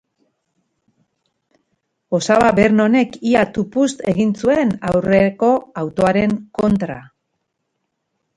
Osaba Vernonek ia tupust egin zuen aurreko autoaren kontra.